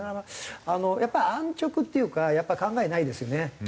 やっぱり安直っていうか考えないですよね。